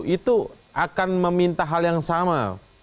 itu akan meminta hal yang sama